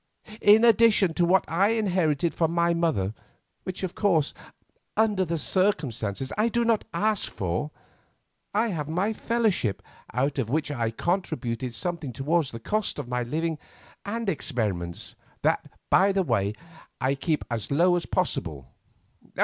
In addition to what I inherited from my mother, which, of course, under the circumstances I do not ask for, I have my fellowship, out of which I contribute something towards the cost of my living and experiments, that, by the way, I keep as low as possible."